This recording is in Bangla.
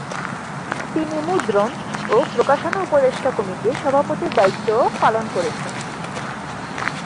তিনি মুদ্রণ ও প্রকাশনা উপদেষ্টা কমিটির সভাপতির দায়িত্বও পালন করেছেন।